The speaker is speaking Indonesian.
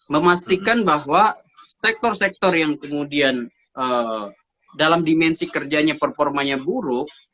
memastikan bahwa sektor sektor yang kemudian dalam dimensi kerjanya performanya buruk